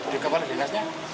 dikapal di dinasnya